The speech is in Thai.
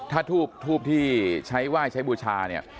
ถ้าทูบที่ใช้ไหว้ใช้บูชาเนี่ย